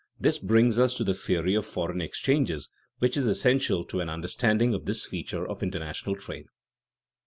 This brings us to the theory of foreign exchanges, which is essential to an understanding of this feature of international trade. § II.